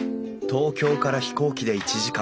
東京から飛行機で１時間。